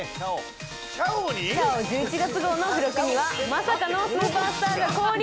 ちゃお１１月号の付録にはまさかのスーパースターが降臨。